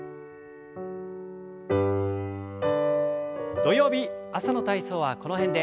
土曜日朝の体操はこの辺で。